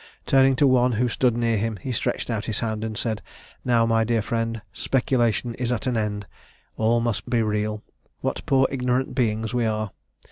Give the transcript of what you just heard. Turning to one who stood near him, he stretched out his hand, and said, 'Now, my dear friend, speculation is at an end; all must be real! What poor ignorant beings we are!'